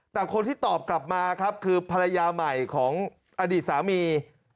แต่คนที่ตอบกลับมาครับคือภรรยาใหม่ของอดีตสามี